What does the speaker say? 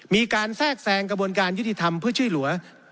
แทรกแทรงกระบวนการยุติธรรมเพื่อช่วยเหลือ